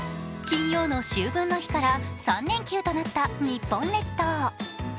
金曜の秋分の日から３連休となった日本列島。